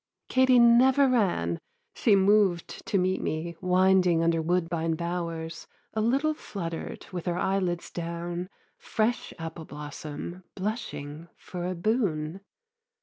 Katie never ran: she moved To meet me, winding under woodbine bowers, A little fluttered, with her eyelids down, Fresh apple blossom, blushing for a boon.